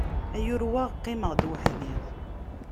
Ay urweɣ, qqimeɣ-d weḥd-i!